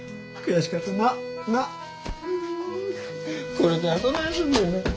これからどないすんねんな。